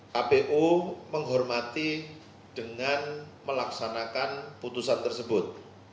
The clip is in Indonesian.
kpu menghormati dengan melaksanakan putusan tersebut